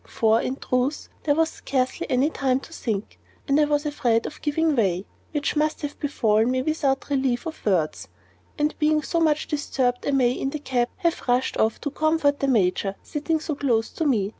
For, in truth, there was scarcely any time to think; and I was afraid of giving way, which must have befallen me without relief of words; and being so much disturbed I may, in the cab, have rushed off for comfort to the Major, sitting so close to me.